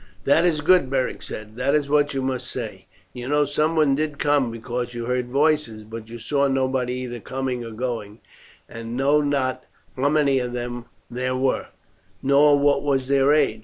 "That is good," Beric said. "That is what you must say. You know someone did come because you heard voices; but you saw nobody either coming or going, and know not how many of them there were, nor what was their age.